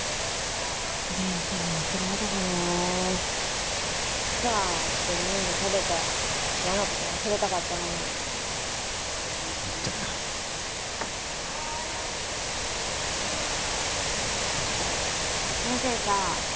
・人選間違えたかなパーッて飲んで食べてヤなこと忘れたかったのにだって先生さ